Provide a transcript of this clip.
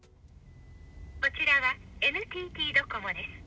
こちらはＮＴＴドコモです。